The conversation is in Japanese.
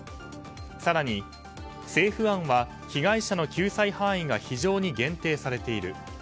更に、政府案は被害者の救済範囲が非常に限定されている。